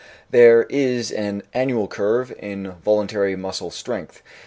There is an annual curve in voluntary muscle strength.